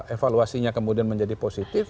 evaluasinya kemudian menjadi positif